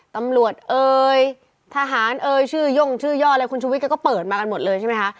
ตำรวจเอ่ยทหารเอ่ยชื่อย่งชื่อย่ออะไรคุณชุวิตก็เปิดมากันหมดเลยใช่ไหมคะ